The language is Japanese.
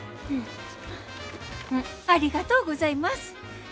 ありがとうございます。